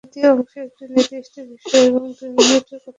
দ্বিতীয় অংশে একটি নির্দিষ্ট বিষয়ে এবং দুই মিনিট কথা বলতে হয়।